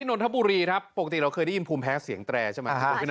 นนทบุรีครับปกติเราเคยได้ยินภูมิแพ้เสียงแตรใช่ไหม